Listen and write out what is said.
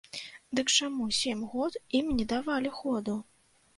Дык чаму сем год ім не давалі ходу?